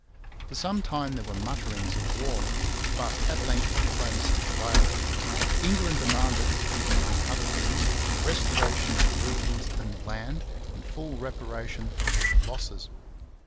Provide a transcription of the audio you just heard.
For some time there were mutterings of war, but at length diplomacy prevailed. England demanded, among other things, the restoration of the buildings and the land, and full reparation for all losses.